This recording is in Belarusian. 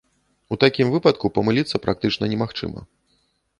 У такім выпадку памыліцца практычна немагчыма.